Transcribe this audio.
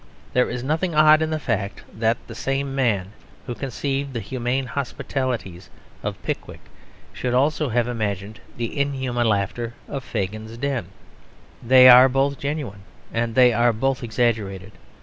There is nothing odd in the fact that the same man who conceived the humane hospitalities of Pickwick should also have imagined the inhuman laughter of Fagin's den. They are both genuine and they are both exaggerated.